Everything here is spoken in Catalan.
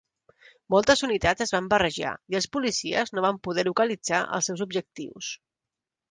Moltes unitats es van barrejar i els policies no van poder localitzar els seus objectius.